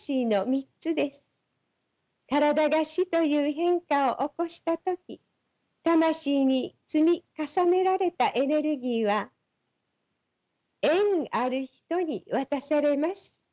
身体が死という変化を起こした時魂に積み重ねられたエネルギーは縁ある人に渡されます。